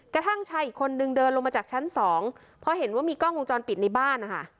กระทั่งชายอีกคนนึงเดินลงมาจากชั้นสองเพราะเห็นว่ามีกล้องวงจรปิดในบ้านนะคะ